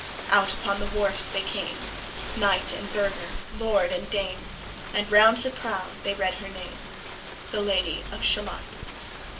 Out upon the wharfs they came, Knight and burgher, lord and dame, And round the prow they read her name, The Lady of Shalott.